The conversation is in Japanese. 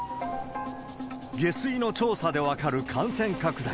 下水の調査で分かる感染拡大。